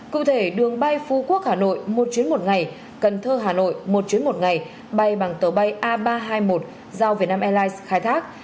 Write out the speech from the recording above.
cụ thể đường bay phú quốc hà nội một chuyến một ngày cần thơ hà nội một chuyến một ngày bay bằng tàu bay a ba trăm hai mươi một do vietnam airlines khai thác